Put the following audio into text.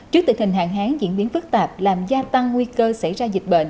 trước tình hình hạn hán diễn biến phức tạp làm gia tăng nguy cơ xảy ra dịch bệnh